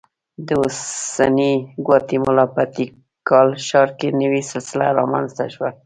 د اوسنۍ ګواتیمالا په تیکال ښار کې نوې سلسله رامنځته شوه